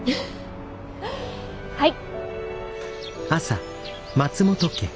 はい！